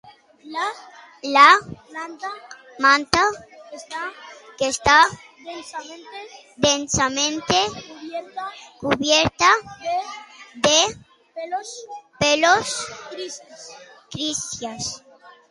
La planta está densamente cubierta de pelos grises.